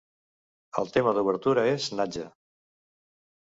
El tema d'obertura és Nadja!!